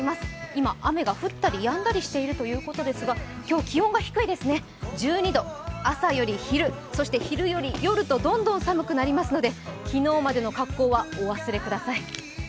今、雨が降ったりやんだりしているということですが、今日気温が低いです、１２度。朝より昼、昼より夜とどんどん寒くなりますので昨日までの格好はお忘れください。